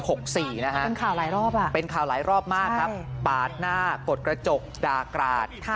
เป็นข่าวหลายรอบเป็นข่าวหลายรอบมากครับปาดหน้ากดกระจกด่ากราด